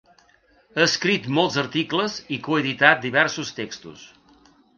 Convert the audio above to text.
Ha escrit molts articles i coeditat diversos textos.